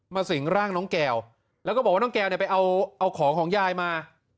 สิงร่างน้องแก้วแล้วก็บอกว่าน้องแก้วเนี่ยไปเอาของของยายมา